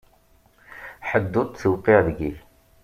Ḥedd ur t-tewqiε deg-i.